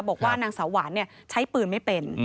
บอกว่านางสาวหวานใช้ปืนไม่เป็น